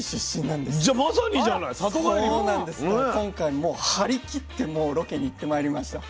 だから今回もう張り切ってロケに行ってまいりました。